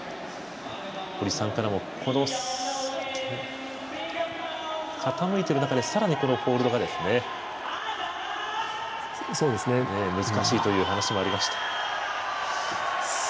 堀さんからもこの傾いている中でさらにホールドが難しいという話もありました。